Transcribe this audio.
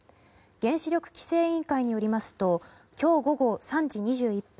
原子力規制委員会によりますと今日午後３時２１分